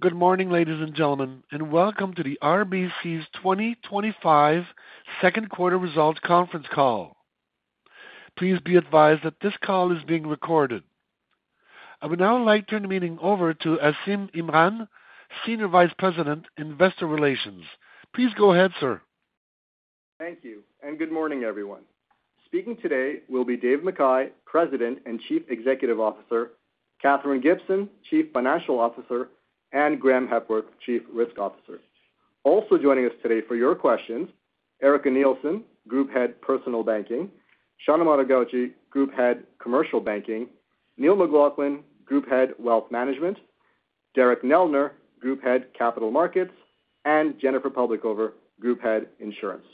Good morning, ladies and gentlemen, and welcome to the RBC's 2025 Second Quarter Results Conference Call. Please be advised that this call is being recorded. I would now like to turn the meeting over to Asim Imran, Senior Vice President, Investor Relations. Please go ahead, sir. Thank you, and good morning, everyone. Speaking today will be Dave McKay, President and Chief Executive Officer; Katherine Gibson, Chief Financial Officer; and Graeme Hepworth, Chief Risk Officer. Also joining us today for your questions: Erica Nielsen, Group Head, Personal Banking; Sean Amato-Gauci, Group Head, Commercial Banking; Neil McLaughlin, Group Head, Wealth Management; Derek Neldner, Group Head, Capital Markets; and Jennifer Publicover, Group Head, Insurance.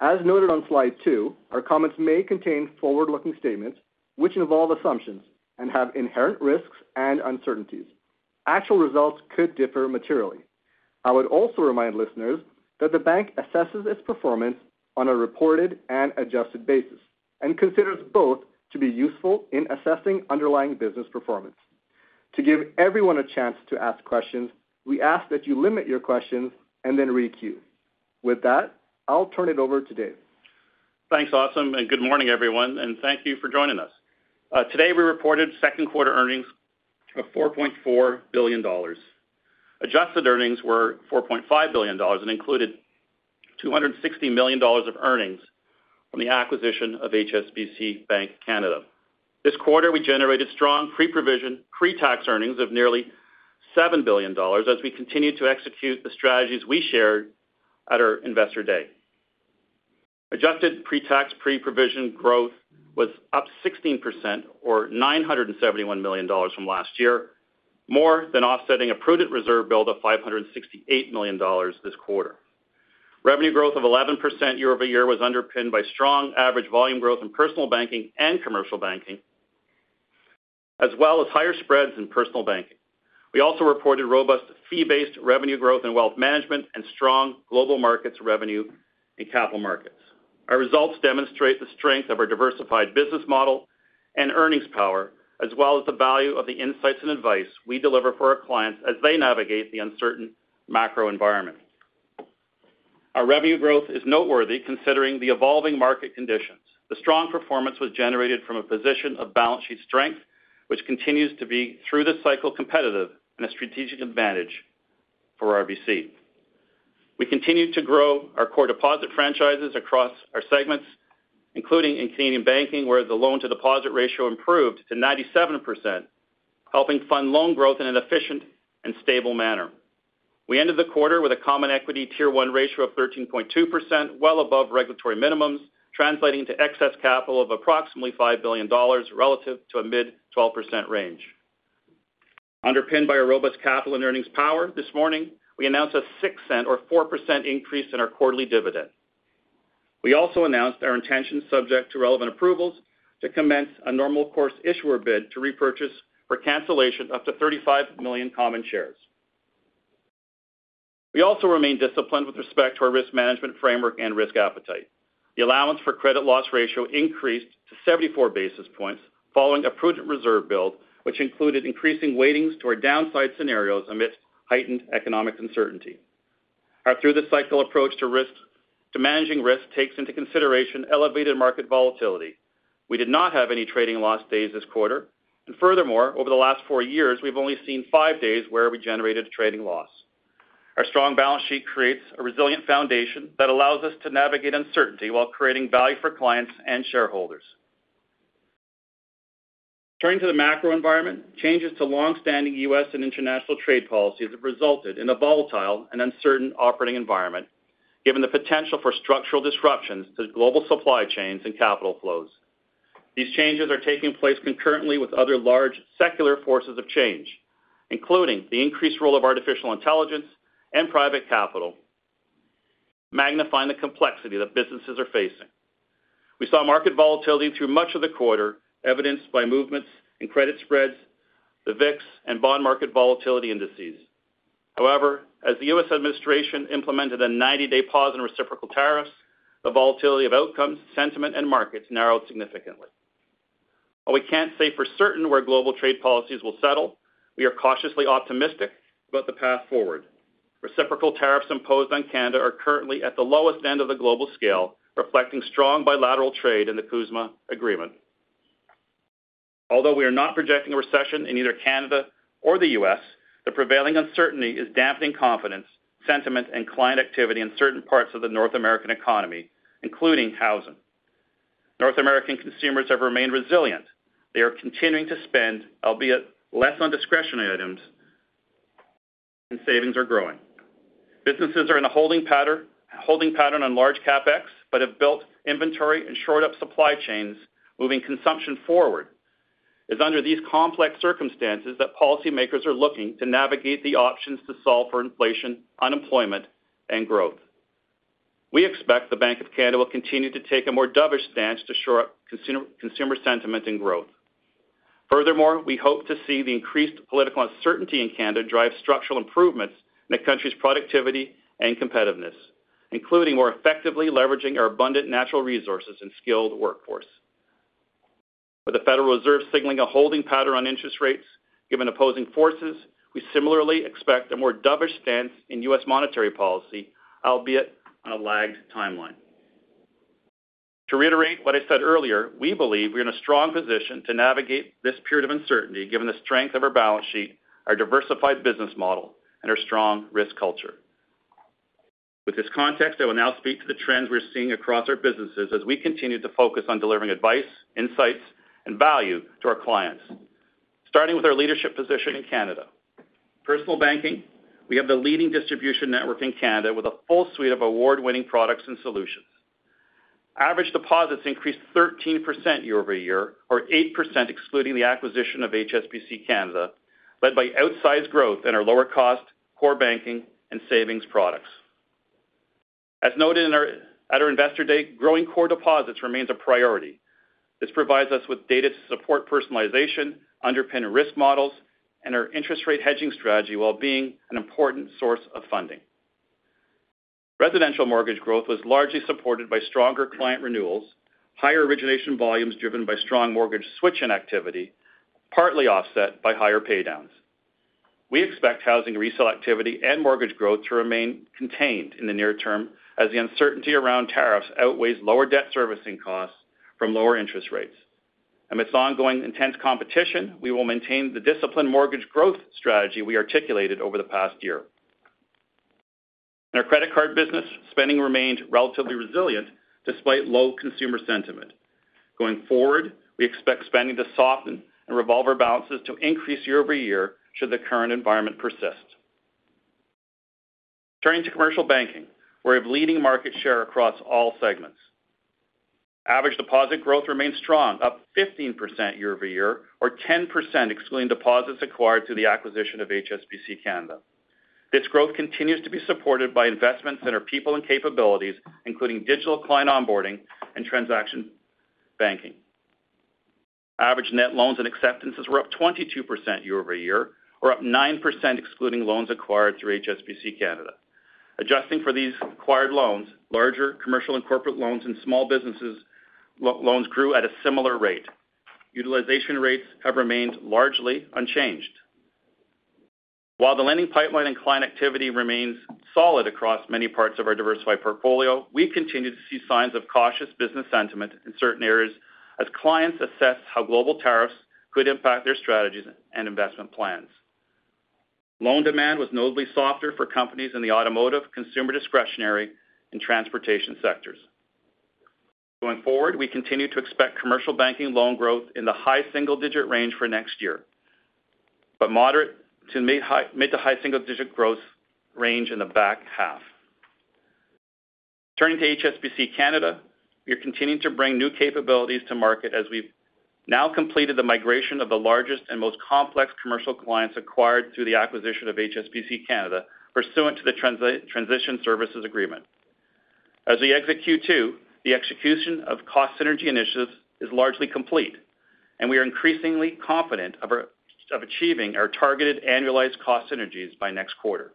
As noted on slide two, our comments may contain forward-looking statements which involve assumptions and have inherent risks and uncertainties. Actual results could differ materially. I would also remind listeners that the bank assesses its performance on a reported and adjusted basis and considers both to be useful in assessing underlying business performance. To give everyone a chance to ask questions, we ask that you limit your questions and then re-queue. With that, I'll turn it over to Dave. Thanks, Asim, and good morning, everyone, and thank you for joining us. Today, we reported second quarter earnings of 4.4 billion dollars. Adjusted earnings were 4.5 billion dollars and included 260 million dollars of earnings from the acquisition of HSBC Bank Canada. This quarter, we generated strong pre-provision, pre-tax earnings of nearly 7 billion dollars as we continue to execute the strategies we shared at our investor day. Adjusted pre-tax pre-provision growth was up 16%, or 971 million dollars from last year, more than offsetting a prudent reserve build of 568 million dollars this quarter. Revenue growth of 11% year-over-year was underpinned by strong average volume growth in personal banking and commercial banking, as well as higher spreads in personal banking. We also reported robust fee-based revenue growth in wealth management and strong global markets revenue in capital markets. Our results demonstrate the strength of our diversified business model and earnings power, as well as the value of the insights and advice we deliver for our clients as they navigate the uncertain macro environment. Our revenue growth is noteworthy considering the evolving market conditions. The strong performance was generated from a position of balance sheet strength, which continues to be through the cycle competitive and a strategic advantage for RBC. We continue to grow our core deposit franchises across our segments, including in Canadian banking, where the loan-to-deposit ratio improved to 97%, helping fund loan growth in an efficient and stable manner. We ended the quarter with a common equity tier 1 ratio of 13.2%, well above regulatory minimums, translating to excess capital of approximately 5 billion dollars relative to a mid 12% range. Underpinned by a robust capital and earnings power, this morning, we announced a 0.06, or 4%, increase in our quarterly dividend. We also announced our intention, subject to relevant approvals, to commence a normal course issuer bid to repurchase or cancellation of up to 35 million common shares. We also remain disciplined with respect to our risk management framework and risk appetite. The allowance for credit loss ratio increased to 74 basis points following a prudent reserve build, which included increasing weightings toward downside scenarios amidst heightened economic uncertainty. Our through-the-cycle approach to managing risk takes into consideration elevated market volatility. We did not have any trading loss days this quarter. Furthermore, over the last four years, we've only seen five days where we generated trading loss. Our strong balance sheet creates a resilient foundation that allows us to navigate uncertainty while creating value for clients and shareholders. Turning to the macro environment, changes to longstanding U.S. and international trade policies have resulted in a volatile and uncertain operating environment, given the potential for structural disruptions to global supply chains and capital flows. These changes are taking place concurrently with other large secular forces of change, including the increased role of artificial intelligence and private capital, magnifying the complexity that businesses are facing. We saw market volatility through much of the quarter, evidenced by movements in credit spreads, the VIX, and bond market volatility indices. However, as the U.S. administration implemented a 90-day pause in reciprocal tariffs, the volatility of outcomes, sentiment, and markets narrowed significantly. While we can't say for certain where global trade policies will settle, we are cautiously optimistic about the path forward. Reciprocal tariffs imposed on Canada are currently at the lowest end of the global scale, reflecting strong bilateral trade in the CUSMA Agreement. Although we are not projecting a recession in either Canada or the U.S., the prevailing uncertainty is dampening confidence, sentiment, and client activity in certain parts of the North American economy, including housing. North American consumers have remained resilient. They are continuing to spend, albeit less on discretionary items, and savings are growing. Businesses are in a holding pattern on large CapEx but have built inventory and shored up supply chains, moving consumption forward. It is under these complex circumstances that policymakers are looking to navigate the options to solve for inflation, unemployment, and growth. We expect the Bank of Canada will continue to take a more dovish stance to shore up consumer sentiment and growth. Furthermore, we hope to see the increased political uncertainty in Canada drive structural improvements in the country's productivity and competitiveness, including more effectively leveraging our abundant natural resources and skilled workforce. With the Federal Reserve signaling a holding pattern on interest rates, given opposing forces, we similarly expect a more dovish stance in U.S. monetary policy, albeit on a lagged timeline. To reiterate what I said earlier, we believe we are in a strong position to navigate this period of uncertainty, given the strength of our balance sheet, our diversified business model, and our strong risk culture. With this context, I will now speak to the trends we're seeing across our businesses as we continue to focus on delivering advice, insights, and value to our clients, starting with our leadership position in Canada. Personal banking, we have the leading distribution network in Canada with a full suite of award-winning products and solutions. Average deposits increased 13% year-over-year, or 8% excluding the acquisition of HSBC Bank Canada, led by outsized growth in our lower-cost core banking and savings products. As noted at our investor day, growing core deposits remains a priority. This provides us with data to support personalization, underpin risk models, and our interest rate hedging strategy while being an important source of funding. Residential mortgage growth was largely supported by stronger client renewals, higher origination volumes driven by strong mortgage switch-in activity, partly offset by higher paydowns. We expect housing resale activity and mortgage growth to remain contained in the near term as the uncertainty around tariffs outweighs lower debt servicing costs from lower interest rates. Amidst ongoing intense competition, we will maintain the disciplined mortgage growth strategy we articulated over the past year. In our credit card business, spending remained relatively resilient despite low consumer sentiment. Going forward, we expect spending to soften and revolve our balances to increase year-over-year should the current environment persist. Turning to commercial banking, we are a leading market share across all segments. Average deposit growth remains strong, up 15% year-over-year, or 10% excluding deposits acquired through the acquisition of HSBC Canada. This growth continues to be supported by investments in our people and capabilities, including digital client onboarding and transaction banking. Average net loans and acceptances were up 22% year-over-year, or up 9% excluding loans acquired through HSBC Canada. Adjusting for these acquired loans, larger commercial and corporate loans and small business loans grew at a similar rate. Utilization rates have remained largely unchanged. While the lending pipeline and client activity remains solid across many parts of our diversified portfolio, we continue to see signs of cautious business sentiment in certain areas as clients assess how global tariffs could impact their strategies and investment plans. Loan demand was notably softer for companies in the automotive, consumer discretionary, and transportation sectors. Going forward, we continue to expect commercial banking loan growth in the high single-digit range for next year, but moderate to mid to high single-digit growth range in the back half. Turning to HSBC Canada, we are continuing to bring new capabilities to market as we've now completed the migration of the largest and most complex commercial clients acquired through the acquisition of HSBC Canada, pursuant to the Transition Services Agreement. As we execute, too, the execution of cost synergy initiatives is largely complete, and we are increasingly confident of achieving our targeted annualized cost synergies by next quarter.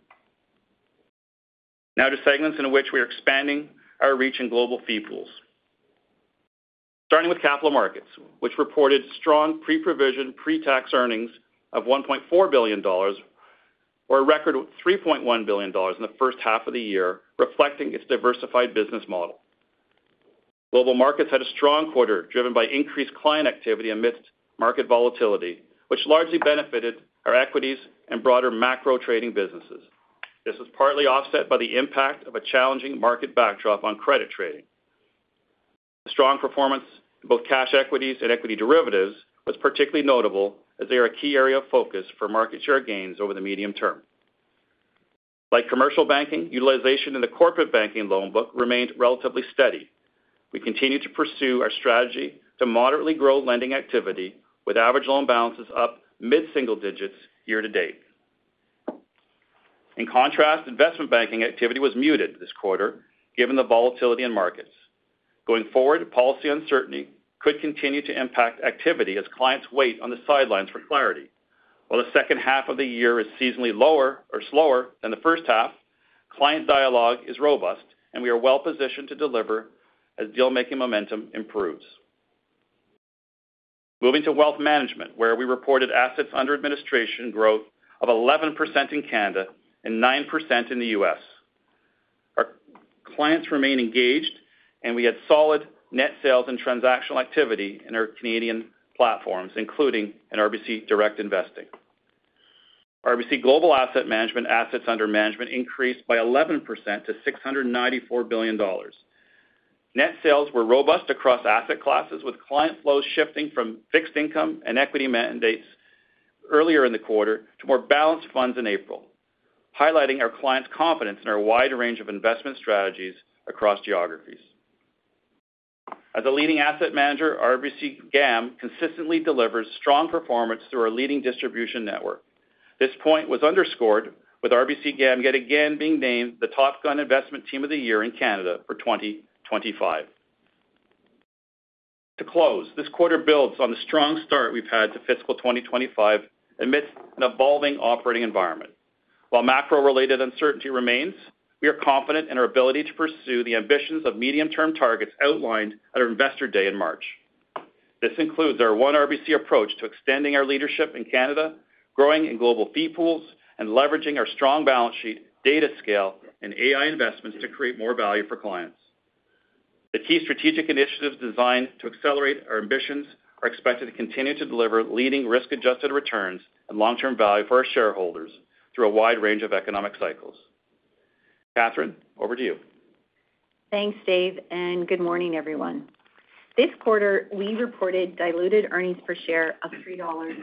Now to segments in which we are expanding our reach in global fee pools. Starting with capital markets, which reported strong pre-provision, pre-tax earnings of 1.4 billion dollars, or a record of 3.1 billion dollars in the first half of the year, reflecting its diversified business model. Global markets had a strong quarter driven by increased client activity amidst market volatility, which largely benefited our equities and broader macro trading businesses. This was partly offset by the impact of a challenging market backdrop on credit trading. The strong performance of both cash equities and equity derivatives was particularly notable as they are a key area of focus for market share gains over the medium term. Like commercial banking, utilization in the corporate banking loan book remained relatively steady. We continue to pursue our strategy to moderately grow lending activity, with average loan balances up mid single digits year to date. In contrast, investment banking activity was muted this quarter, given the volatility in markets. Going forward, policy uncertainty could continue to impact activity as clients wait on the sidelines for clarity. While the second half of the year is seasonally lower or slower than the first half, client dialogue is robust, and we are well positioned to deliver as deal-making momentum improves. Moving to wealth management, where we reported assets under administration growth of 11% in Canada and 9% in the U.S. Our clients remain engaged, and we had solid net sales and transactional activity in our Canadian platforms, including in RBC Direct Investing. RBC Global Asset Management assets under management increased by 11% to 694 billion dollars. Net sales were robust across asset classes, with client flows shifting from fixed income and equity mandates earlier in the quarter to more balanced funds in April, highlighting our clients' confidence in our wide range of investment strategies across geographies. As a leading asset manager, RBC GAM consistently delivers strong performance through our leading distribution network. This point was underscored with RBC GAM yet again being named the Top Gun Investment Team of the Year in Canada for 2025. To close, this quarter builds on the strong start we have had to fiscal 2025 amidst an evolving operating environment. While macro-related uncertainty remains, we are confident in our ability to pursue the ambitions of medium-term targets outlined at our investor day in March. This includes our One RBC approach to extending our leadership in Canada, growing in global fee pools, and leveraging our strong balance sheet, data scale, and AI investments to create more value for clients. The key strategic initiatives designed to accelerate our ambitions are expected to continue to deliver leading risk-adjusted returns and long-term value for our shareholders through a wide range of economic cycles. Katherine, over to you. Thanks, Dave, and good morning, everyone. This quarter, we reported diluted earnings per share of 3.02 dollars.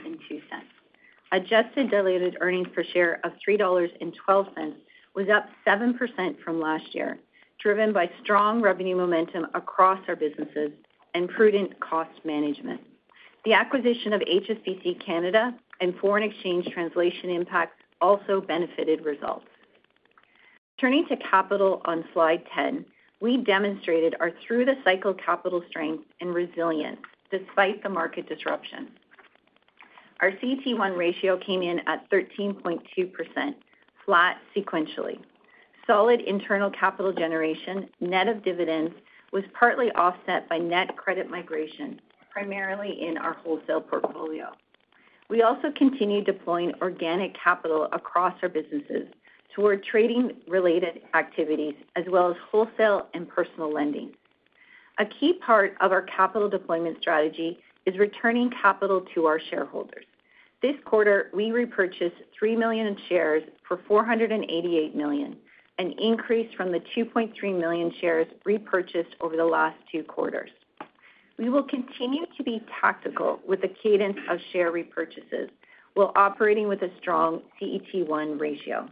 Adjusted diluted earnings per share of 3.12 dollars was up 7% from last year, driven by strong revenue momentum across our businesses and prudent cost management. The acquisition of HSBC Canada and foreign exchange translation impacts also benefited results. Turning to capital on slide 10, we demonstrated our through-the-cycle capital strength and resilience despite the market disruption. Our CET1 ratio came in at 13.2%, flat sequentially. Solid internal capital generation, net of dividends, was partly offset by net credit migration, primarily in our wholesale portfolio. We also continued deploying organic capital across our businesses toward trading-related activities, as well as wholesale and personal lending. A key part of our capital deployment strategy is returning capital to our shareholders. This quarter, we repurchased 3 million shares for 488 million, an increase from the 2.3 million shares repurchased over the last two quarters. We will continue to be tactical with the cadence of share repurchases while operating with a strong CET1 ratio.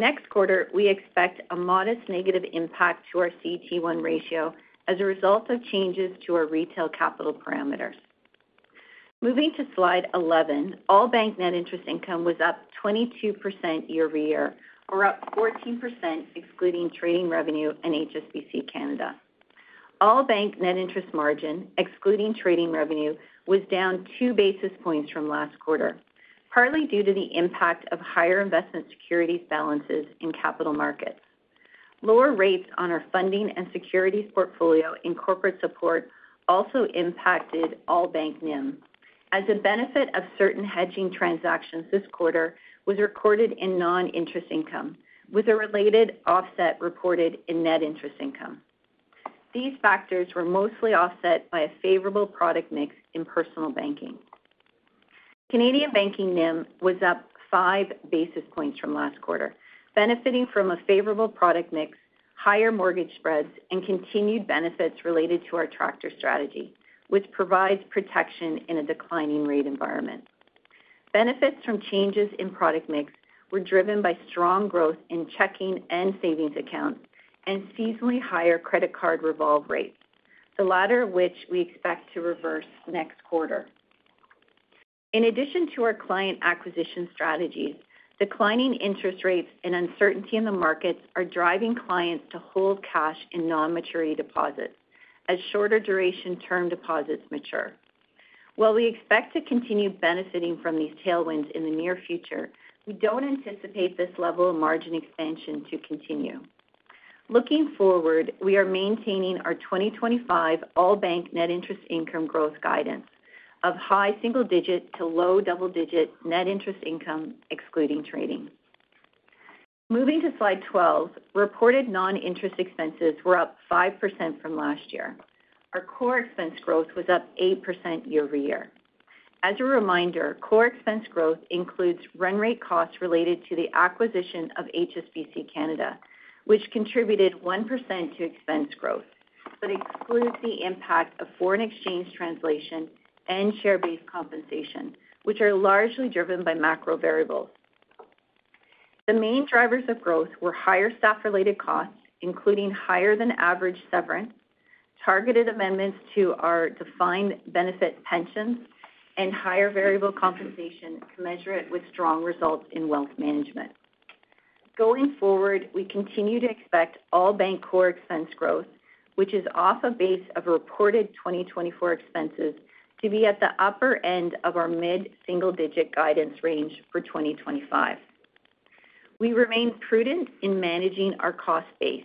Next quarter, we expect a modest negative impact to our CET1 ratio as a result of changes to our retail capital parameters. Moving to slide 11, all bank net interest income was up 22% year-over-year, or up 14% excluding trading revenue and HSBC Canada. All bank net interest margin, excluding trading revenue, was down two basis points from last quarter, partly due to the impact of higher investment securities balances in capital markets. Lower rates on our funding and securities portfolio and corporate support also impacted all bank NIM. As a benefit of certain hedging transactions this quarter was recorded in non-interest income, with a related offset reported in net interest income. These factors were mostly offset by a favorable product mix in personal banking. Canadian banking NIM was up five basis points from last quarter, benefiting from a favorable product mix, higher mortgage spreads, and continued benefits related to our tractor strategy, which provides protection in a declining rate environment. Benefits from changes in product mix were driven by strong growth in checking and savings accounts and seasonally higher credit card revolve rate, the latter of which we expect to reverse next quarter. In addition to our client acquisition strategies, declining interest rates and uncertainty in the markets are driving clients to hold cash in non-maturity deposits as shorter duration term deposits mature. While we expect to continue benefiting from these tailwinds in the near future, we don't anticipate this level of margin expansion to continue. Looking forward, we are maintaining our 2025 all bank net interest income growth guidance of high single-digit to low double-digit net interest income excluding trading. Moving to slide 12, reported non-interest expenses were up 5% from last year. Our core expense growth was up 8% year-over-year. As a reminder, core expense growth includes run rate costs related to the acquisition of HSBC Canada, which contributed 1% to expense growth, but excludes the impact of foreign exchange translation and share-based compensation, which are largely driven by macro variables. The main drivers of growth were higher staff-related costs, including higher-than-average severance, targeted amendments to our defined benefit pensions, and higher variable compensation to measure it with strong results in wealth management. Going forward, we continue to expect all bank core expense growth, which is off a base of reported 2024 expenses, to be at the upper end of our mid single-digit guidance range for 2025. We remain prudent in managing our cost base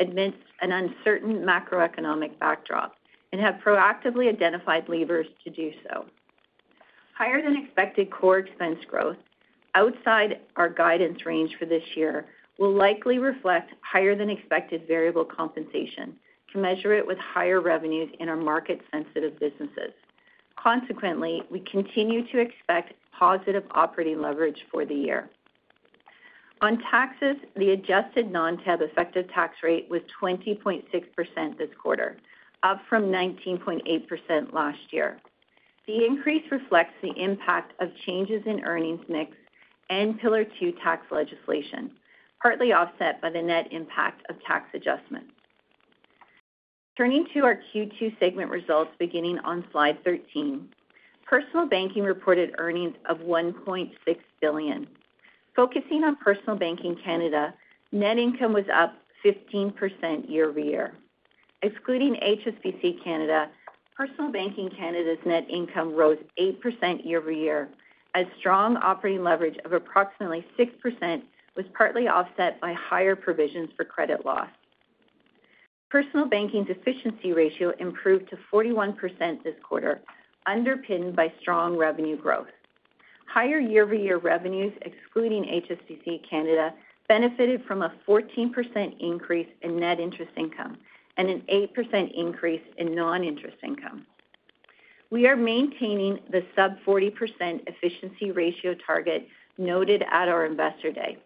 amidst an uncertain macroeconomic backdrop and have proactively identified levers to do so. Higher-than-expected core expense growth outside our guidance range for this year will likely reflect higher-than-expected variable compensation to measure it with higher revenues in our market-sensitive businesses. Consequently, we continue to expect positive operating leverage for the year. On taxes, the adjusted non-TAB effective tax rate was 20.6% this quarter, up from 19.8% last year. The increase reflects the impact of changes in earnings mix and Pillar Two tax legislation, partly offset by the net impact of tax adjustment. Turning to our Q2 segment results beginning on slide 13, personal banking reported earnings of 1.6 billion. Focusing on personal banking Canada, net income was up 15% year-over-year. Excluding HSBC Canada, personal banking Canada's net income rose 8% year-over-year as strong operating leverage of approximately 6% was partly offset by higher provisions for credit loss. Personal banking efficiency ratio improved to 41% this quarter, underpinned by strong revenue growth. Higher year-over-year revenues, excluding HSBC Canada, benefited from a 14% increase in net interest income and an 8% increase in non-interest income. We are maintaining the sub-40% efficiency ratio target noted at our investor day.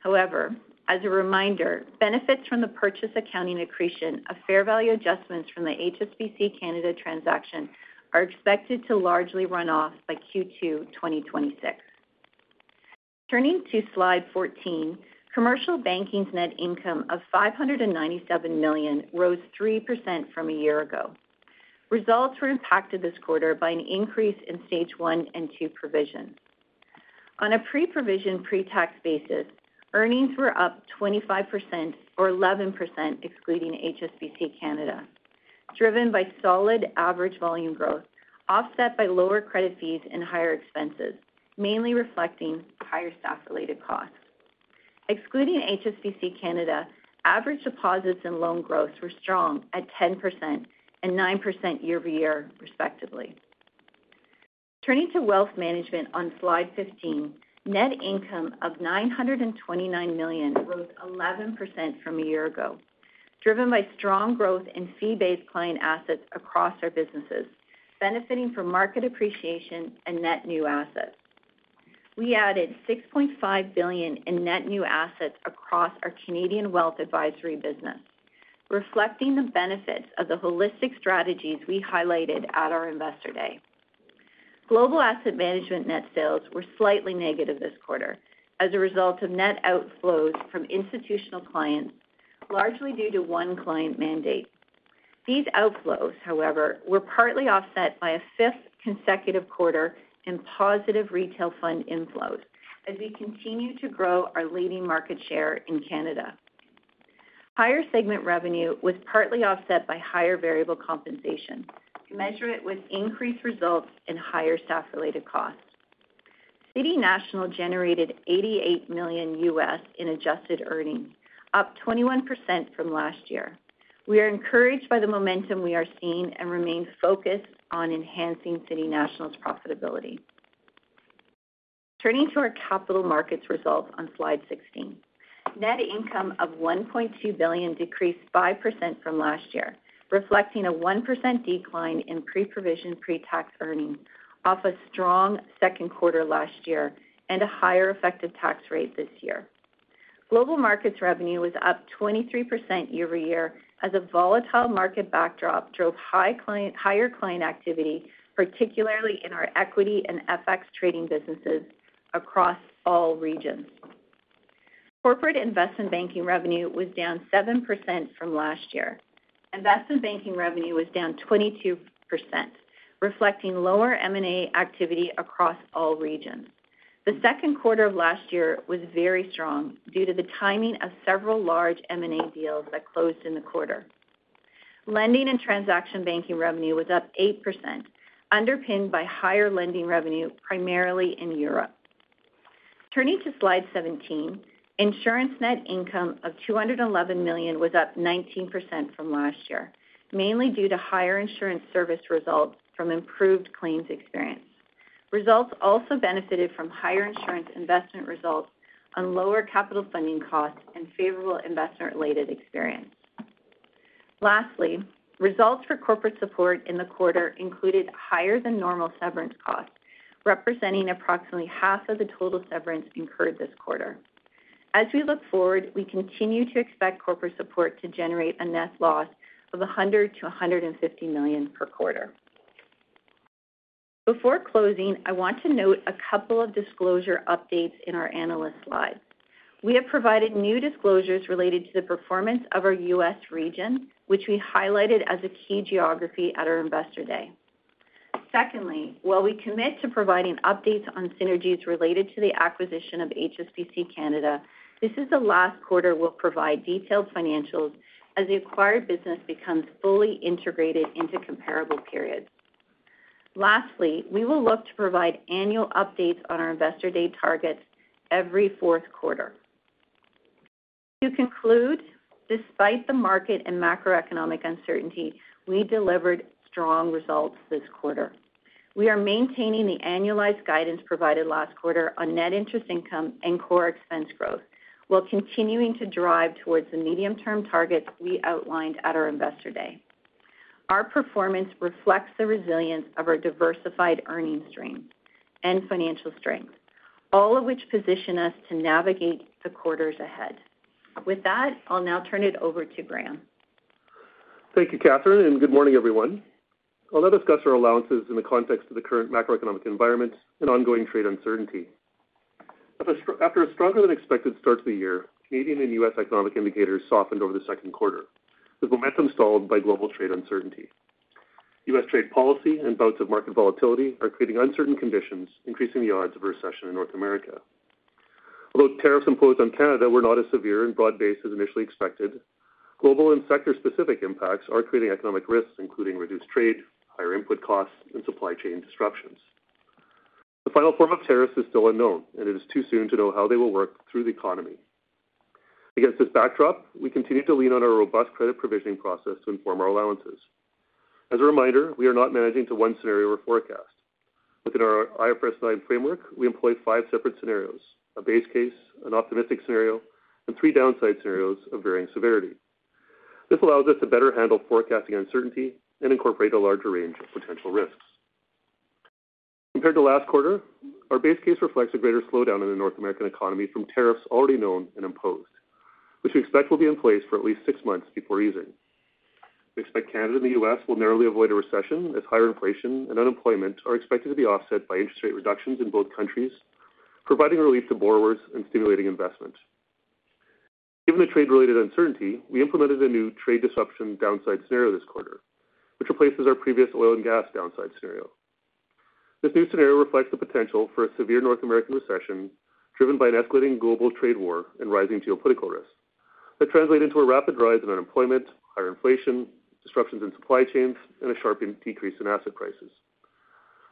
However, as a reminder, benefits from the purchase accounting accretion of fair value adjustments from the HSBC Canada transaction are expected to largely run off by Q2 2026. Turning to slide 14, Commercial Banking's net income of 597 million rose 3% from a year ago. Results were impacted this quarter by an increase in stage one and two provision. On a pre-provision pre-tax basis, earnings were up 25% or 11% excluding HSBC Canada, driven by solid average volume growth offset by lower credit fees and higher expenses, mainly reflecting higher staff-related costs. Excluding HSBC Canada, average deposits and loan growth were strong at 10% and 9% year-over-year, respectively. Turning to Wealth Management on slide 15, net income of 929 million rose 11% from a year ago, driven by strong growth in fee-based client assets across our businesses, benefiting from market appreciation and net new assets. We added 6.5 billion in net new assets across our Canadian Wealth Advisory business, reflecting the benefits of the holistic strategies we highlighted at our investor day. RBC Global Asset Management net sales were slightly negative this quarter as a result of net outflows from institutional clients, largely due to one client mandate. These outflows, however, were partly offset by a fifth consecutive quarter in positive retail fund inflows as we continue to grow our leading market share in Canada. Higher segment revenue was partly offset by higher variable compensation, measured with increased results and higher staff-related costs. City National generated $88 million U.S. in adjusted earnings, up 21% from last year. We are encouraged by the momentum we are seeing and remain focused on enhancing City National's profitability. Turning to our capital markets results on slide 16, net income of 1.2 billion decreased 5% from last year, reflecting a 1% decline in pre-provision pre-tax earnings off a strong second quarter last year and a higher effective tax rate this year. Global markets revenue was up 23% year-over-year as a volatile market backdrop drove higher client activity, particularly in our equity and FX trading businesses across all regions. Corporate investment banking revenue was down 7% from last year. Investment banking revenue was down 22%, reflecting lower M&A activity across all regions. The second quarter of last year was very strong due to the timing of several large M&A deals that closed in the quarter. Lending and transaction banking revenue was up 8%, underpinned by higher lending revenue, primarily in Europe. Turning to slide 17, insurance net income of 211 million was up 19% from last year, mainly due to higher insurance service results from improved claims experience. Results also benefited from higher insurance investment results on lower capital funding costs and favorable investment-related experience. Lastly, results for corporate support in the quarter included higher than normal severance costs, representing approximately half of the total severance incurred this quarter. As we look forward, we continue to expect corporate support to generate a net loss of 100 million-150 million per quarter. Before closing, I want to note a couple of disclosure updates in our analyst slide. We have provided new disclosures related to the performance of our U.S. region, which we highlighted as a key geography at our investor day. Secondly, while we commit to providing updates on synergies related to the acquisition of HSBC Canada, this is the last quarter we'll provide detailed financials as the acquired business becomes fully integrated into comparable periods. Lastly, we will look to provide annual updates on our investor day targets every fourth quarter. To conclude, despite the market and macroeconomic uncertainty, we delivered strong results this quarter. We are maintaining the annualized guidance provided last quarter on net interest income and core expense growth while continuing to drive towards the medium-term targets we outlined at our investor day. Our performance reflects the resilience of our diversified earnings stream and financial strength, all of which position us to navigate the quarters ahead. With that, I'll now turn it over to Graeme. Thank you, Katherine, and good morning, everyone. I'll now discuss our allowances in the context of the current macroeconomic environment and ongoing trade uncertainty. After a stronger-than-expected start to the year, Canadian and U.S. economic indicators softened over the second quarter, with momentum stalled by global trade uncertainty. U.S. trade policy and bouts of market volatility are creating uncertain conditions, increasing the odds of a recession in North America. Although tariffs and flows on Canada were not as severe and broad-based as initially expected, global and sector-specific impacts are creating economic risks, including reduced trade, higher input costs, and supply chain disruptions. The final form of tariffs is still unknown, and it is too soon to know how they will work through the economy. Against this backdrop, we continue to lean on our robust credit provisioning process to inform our allowances. As a reminder, we are not managing to one scenario or forecast. Within our IFRS 9 framework, we employ five separate scenarios: a base case, an optimistic scenario, and three downside scenarios of varying severity. This allows us to better handle forecasting uncertainty and incorporate a larger range of potential risks. Compared to last quarter, our base case reflects a greater slowdown in the North American economy from tariffs already known and imposed, which we expect will be in place for at least six months before easing. We expect Canada and the U.S. will narrowly avoid a recession as higher inflation and unemployment are expected to be offset by interest rate reductions in both countries, providing relief to borrowers and stimulating investment. Given the trade-related uncertainty, we implemented a new trade disruption downside scenario this quarter, which replaces our previous oil and gas downside scenario. This new scenario reflects the potential for a severe North American recession driven by an escalating global trade war and rising geopolitical risks that translate into a rapid rise in unemployment, higher inflation, disruptions in supply chains, and a sharp decrease in asset prices.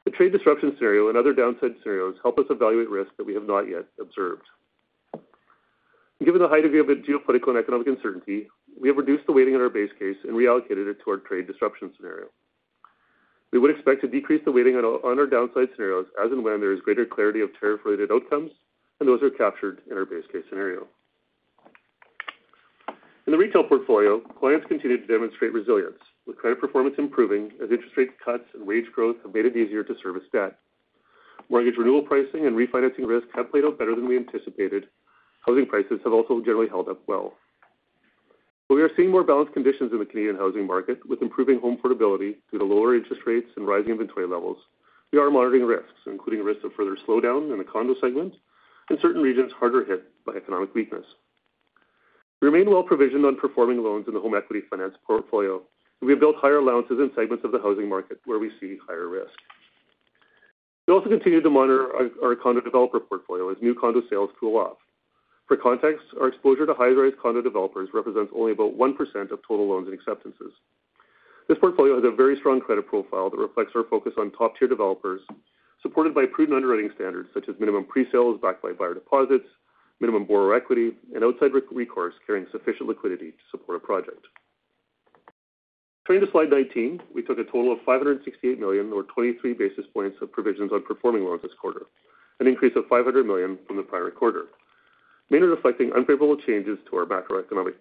The trade disruption scenario and other downside scenarios help us evaluate risks that we have not yet observed. Given the height of geopolitical and economic uncertainty, we have reduced the weighting on our base case and reallocated it to our trade disruption scenario. We would expect to decrease the weighting on our downside scenarios as and when there is greater clarity of tariff-related outcomes, and those are captured in our base case scenario. In the retail portfolio, clients continue to demonstrate resilience, with credit performance improving as interest rate cuts and wage growth have made it easier to service debt. Mortgage renewal pricing and refinancing risk have played out better than we anticipated. Housing prices have also generally held up well. While we are seeing more balanced conditions in the Canadian housing market, with improving home portability due to lower interest rates and rising inventory levels, we are monitoring risks, including risk of further slowdown in the condo segment and certain regions harder hit by economic weakness. We remain well provisioned on performing loans in the home equity finance portfolio, and we have built higher allowances in segments of the housing market where we see higher risk. We also continue to monitor our condo developer portfolio as new condo sales cool off. For context, our exposure to high-rise condo developers represents only about 1% of total loans and acceptances. This portfolio has a very strong credit profile that reflects our focus on top-tier developers, supported by prudent underwriting standards such as minimum pre-sales backed by buyer deposits, minimum borrower equity, and outside recourse carrying sufficient liquidity to support a project. Turning to slide 19, we took a total of 568 million, or 23 basis points of provisions on performing loans this quarter, an increase of 500 million from the prior quarter, mainly reflecting unfavorable changes to our macroeconomic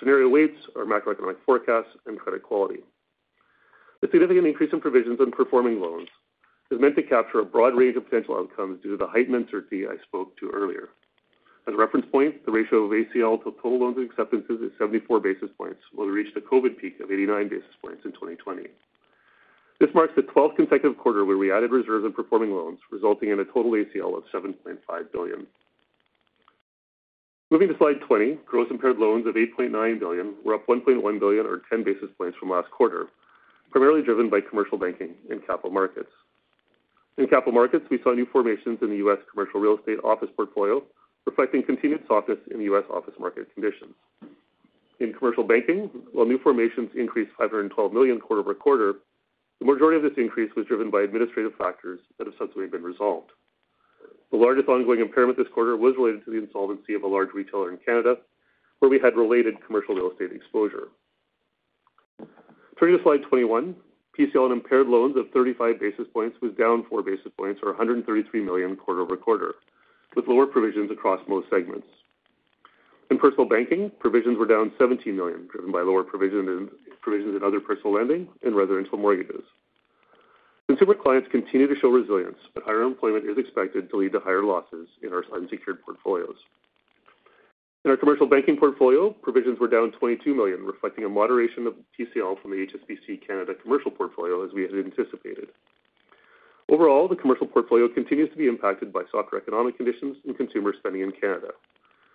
scenario weights, our macroeconomic forecasts, and credit quality. This significant increase in provisions on performing loans is meant to capture a broad range of potential outcomes due to the heightened uncertainty I spoke to earlier. As a reference point, the ratio of ACL to total loans and acceptances is 74 basis points, while we reached a COVID peak of 89 basis points in 2020. This marks the 12th consecutive quarter where we added reserves and performing loans, resulting in a total ACL of 7.5 billion. Moving to slide 20, gross impaired loans of 8.9 billion were up 1.1 billion, or 10 basis points, from last quarter, primarily driven by commercial banking and capital markets. In capital markets, we saw new formations in the U.S. commercial real estate office portfolio, reflecting continued softness in the U.S. office market conditions. In commercial banking, while new formations increased 512 million quarter-over-quarter, the majority of this increase was driven by administrative factors that have subsequently been resolved. The largest ongoing impairment this quarter was related to the insolvency of a large retailer in Canada, where we had related commercial real estate exposure. Turning to slide 21, PCL and impaired loans of 35 basis points was down 4 basis points, or 133 million quarter-over-quarter, with lower provisions across most segments. In personal banking, provisions were down 17 million, driven by lower provisions in other personal lending and residential mortgages. Consumer clients continue to show resilience, but higher employment is expected to lead to higher losses in our unsecured portfolios. In our commercial banking portfolio, provisions were down 22 million, reflecting a moderation of PCL from the HSBC Canada commercial portfolio, as we had anticipated. Overall, the commercial portfolio continues to be impacted by softer economic conditions and consumer spending in Canada.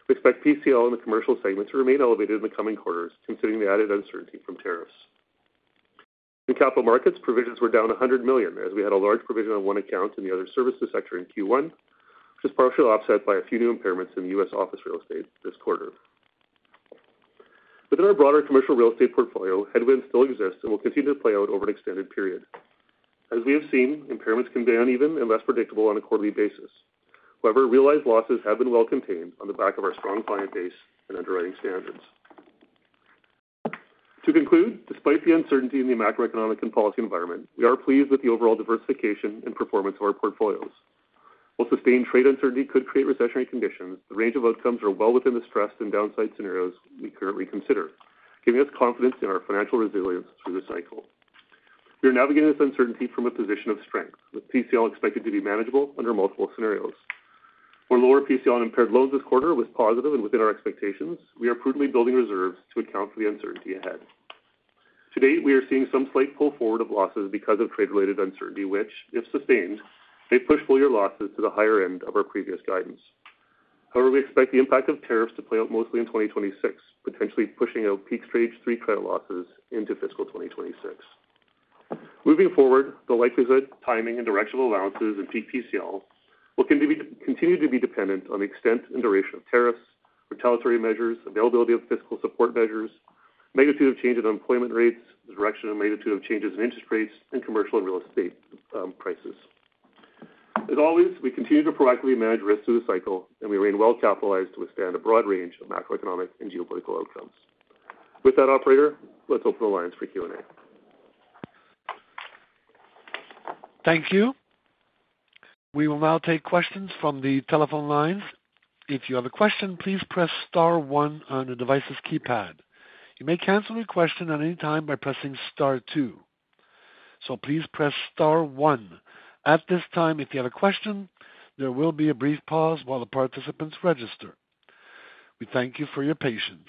We expect PCL in the commercial segment to remain elevated in the coming quarters, considering the added uncertainty from tariffs. In capital markets, provisions were down 100 million, as we had a large provision on one account in the other services sector in Q1, which is partially offset by a few new impairments in the U.S. office real estate this quarter. Within our broader commercial real estate portfolio, headwinds still exist and will continue to play out over an extended period. As we have seen, impairments can be uneven and less predictable on a quarterly basis. However, realized losses have been well contained on the back of our strong client base and underwriting standards. To conclude, despite the uncertainty in the macroeconomic and policy environment, we are pleased with the overall diversification and performance of our portfolios. While sustained trade uncertainty could create recessionary conditions, the range of outcomes are well within the stressed and downside scenarios we currently consider, giving us confidence in our financial resilience through the cycle. We are navigating this uncertainty from a position of strength, with PCL expected to be manageable under multiple scenarios. Our lower PCL and impaired loans this quarter was positive and within our expectations. We are prudently building reserves to account for the uncertainty ahead. Today, we are seeing some slight pull forward of losses because of trade-related uncertainty, which, if sustained, may push full-year losses to the higher end of our previous guidance. However, we expect the impact of tariffs to play out mostly in 2026, potentially pushing out peak stage three credit losses into fiscal 2026. Moving forward, the likelihood, timing, and direction of allowances and peak PCL will continue to be dependent on the extent and duration of tariffs, retaliatory measures, availability of fiscal support measures, magnitude of change in unemployment rates, the direction and magnitude of changes in interest rates, and commercial and real estate prices. As always, we continue to proactively manage risk through the cycle, and we remain well capitalized to withstand a broad range of macroeconomic and geopolitical outcomes. With that, Operator, let's open the lines for Q&A. Thank you. We will now take questions from the telephone lines. If you have a question, please press star one on the device's keypad. You may cancel your question at any time by pressing star two. Please press star one. At this time, if you have a question, there will be a brief pause while the participants register. We thank you for your patience.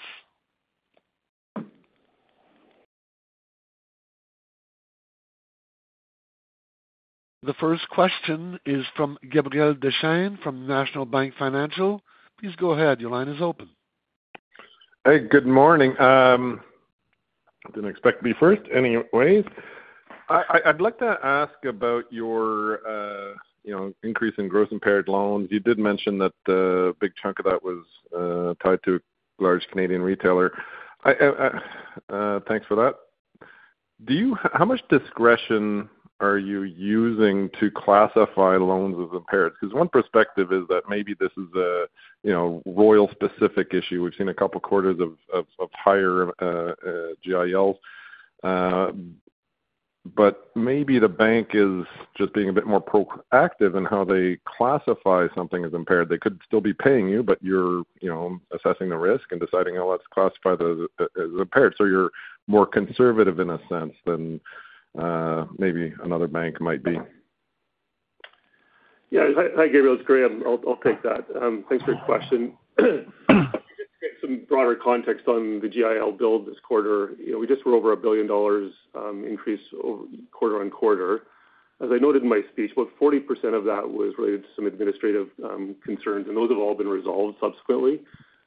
The first question is from Gabriel Dechaine from National Bank Financial. Please go ahead. Your line is open. Hey, good morning. I didn't expect to be first anyways. I'd like to ask about your increase in gross impaired loans. You did mention that a big chunk of that was tied to a large Canadian retailer. Thanks for that. How much discretion are you using to classify loans as impaired? Because one perspective is that maybe this is a Royal-specific issue. We've seen a couple of quarters of higher GIL. Maybe the bank is just being a bit more proactive in how they classify something as impaired. They could still be paying you, but you're assessing the risk and deciding, "Well, let's classify those as impaired." You are more conservative in a sense than maybe another bank might be. Yeah, hi, Gabriel. It's Graeme. I'll take that. Thanks for your question. Some broader context on the GIL build this quarter. We just were over 1 billion dollars increase quarter on quarter. As I noted in my speech, about 40% of that was related to some administrative concerns, and those have all been resolved subsequently.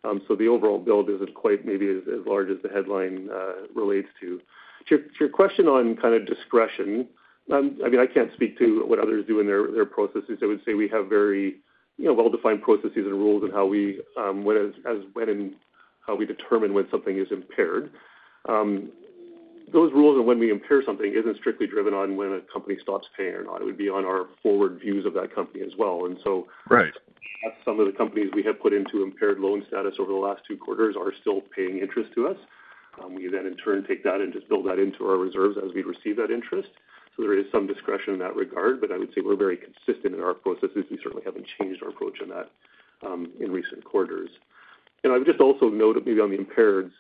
The overall build is not quite maybe as large as the headline relates to. To your question on kind of discretion, I mean, I cannot speak to what others do in their processes. I would say we have very well-defined processes and rules in how we determine when something is impaired. Those rules on when we impair something are not strictly driven on when a company stops paying or not. It would be on our forward views of that company as well. Some of the companies we have put into impaired loan status over the last two quarters are still paying interest to us. We then, in turn, take that and just build that into our reserves as we receive that interest. There is some discretion in that regard, but I would say we're very consistent in our processes. We certainly haven't changed our approach on that in recent quarters. I would just also note maybe on the impaired.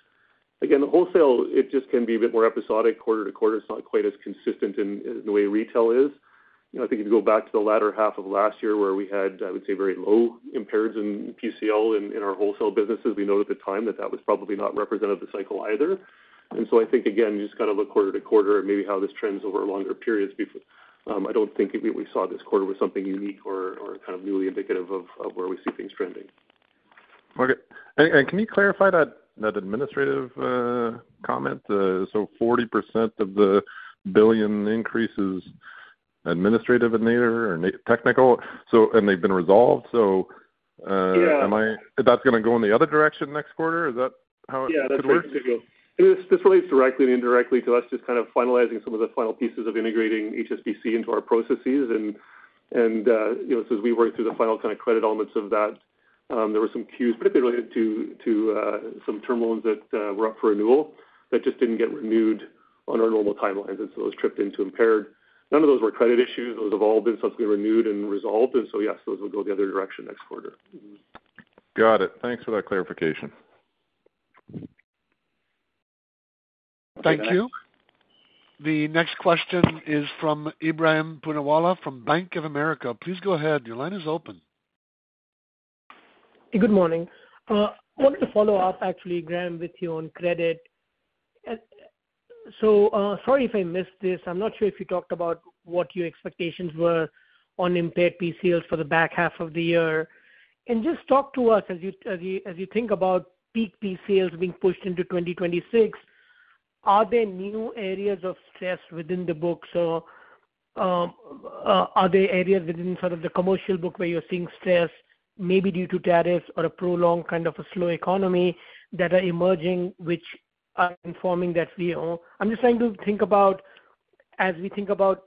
Again, the wholesale, it just can be a bit more episodic. Quarter to quarter, it's not quite as consistent in the way retail is. I think if you go back to the latter half of last year where we had, I would say, very low impaireds in PCL in our wholesale businesses, we noted at the time that that was probably not representative of the cycle either. I think, again, just kind of a quarter to quarter and maybe how this trends over a longer period. I don't think we saw this quarter with something unique or kind of newly indicative of where we see things trending. Okay. Can you clarify that administrative comment? Forty percent of the billion increase is administrative in nature or technical, and they've been resolved. That is going to go in the other direction next quarter? Is that how it could work? Yeah, that seems to go. This relates directly and indirectly to us just kind of finalizing some of the final pieces of integrating HSBC into our processes. As we worked through the final kind of credit elements of that, there were some cues, particularly related to some term loans that were up for renewal that just did not get renewed on our normal timelines. Those tripped into impaired. None of those were credit issues. Those have all been subsequently renewed and resolved. Yes, those will go the other direction next quarter. Got it. Thanks for that clarification. Thank you. The next question is from Ebrahim Poonawala from Bank of America. Please go ahead. Your line is open. Good morning. I wanted to follow up, actually, Graeme, with you on credit. Sorry if I missed this. I'm not sure if you talked about what your expectations were on impaired PCLs for the back half of the year. Just talk to us, as you think about peak PCLs being pushed into 2026, are there new areas of stress within the book? Are there areas within sort of the commercial book where you're seeing stress, maybe due to tariffs or a prolonged kind of a slow economy that are emerging, which are informing that view? I'm just trying to think about, as we think about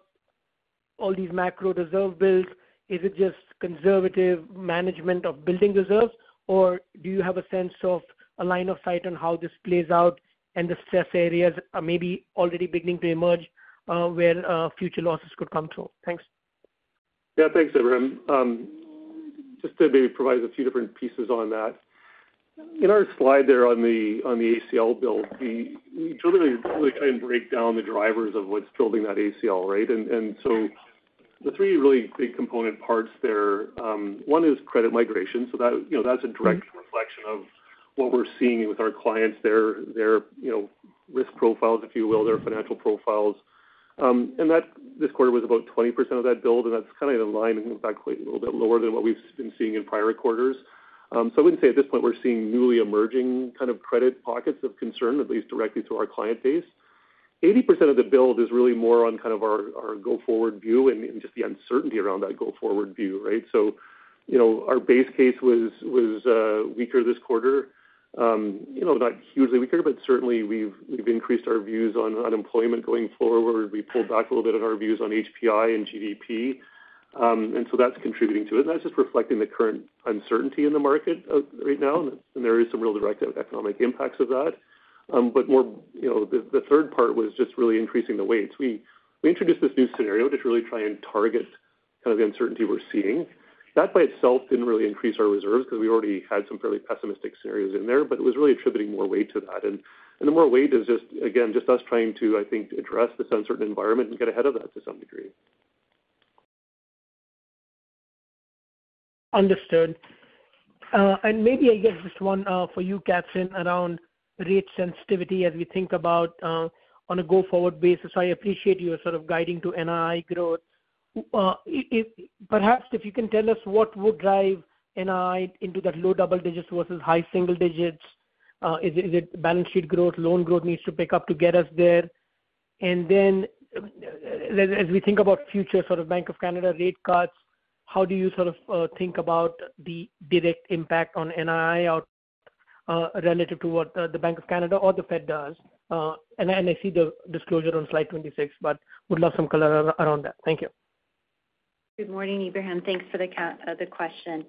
all these macro reserve builds, is it just conservative management of building reserves, or do you have a sense of a line of sight on how this plays out and the stress areas are maybe already beginning to emerge where future losses could come through? Thanks. Yeah, thanks, Ebrahim. Just to maybe provide a few different pieces on that. In our slide there on the ACL build, we really try and break down the drivers of what's building that ACL, right? And so the three really big component parts there, one is credit migration. So that's a direct reflection of what we're seeing with our clients, their risk profiles, if you will, their financial profiles. This quarter was about 20% of that build, and that's kind of in line, in fact, quite a little bit lower than what we've been seeing in prior quarters. I wouldn't say at this point we're seeing newly emerging kind of credit pockets of concern, at least directly to our client base. 80% of the build is really more on kind of our go-forward view and just the uncertainty around that go-forward view, right? Our base case was weaker this quarter. Not hugely weaker, but certainly we've increased our views on unemployment going forward. We pulled back a little bit of our views on HPI and GDP. That's contributing to it. That's just reflecting the current uncertainty in the market right now. There are some real direct economic impacts of that. The third part was just really increasing the weights. We introduced this new scenario to really try and target kind of the uncertainty we're seeing. That by itself didn't really increase our reserves because we already had some fairly pessimistic scenarios in there, but it was really attributing more weight to that. The more weight is just, again, just us trying to, I think, address this uncertain environment and get ahead of that to some degree. Understood. Maybe I guess just one for you, Katherine, around rate sensitivity as we think about on a go-forward basis. I appreciate you're sort of guiding to NII growth. Perhaps if you can tell us what would drive NII into that low double digits versus high single digits. Is it balance sheet growth? Loan growth needs to pick up to get us there. As we think about future sort of Bank of Canada rate cuts, how do you sort of think about the direct impact on NII relative to what the Bank of Canada or the Fed does? I see the disclosure on slide 26, but would love some color around that. Thank you. Good morning, Ebrahim. Thanks for the question.